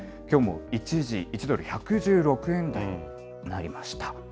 きょうも一時１ドル１１６円台になりました。